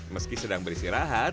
meski sedang beristirahat